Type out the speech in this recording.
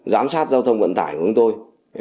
giám sát giao thông vận tải của chúng tôi